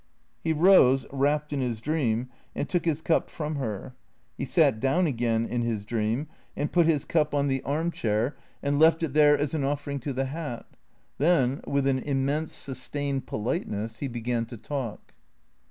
He rose, wrapped in his dream, and took his cup from her. He sat down again, in his dream, and put his cup on the arm 274 THE CREATORS chair and left it there as an offering to the hat. Then, with an immense, sustained politeness, he began to talk.